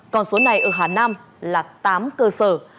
còn số này ở hà nam là tám cơ sở